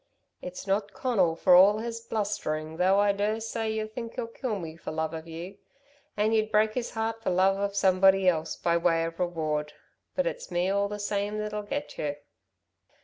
"It's not Conal, for all his blustering, though I dursay y' think he'd kill me for love of you. And you'd break his heart for love of somebody else by way of reward. But it's me all the same that'll get you."